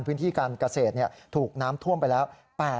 พื้นที่การเกษตรถูกน้ำท่วมไปแล้ว